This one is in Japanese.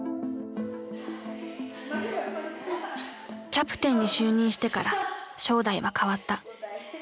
キャプテンに就任してから正代は変わった。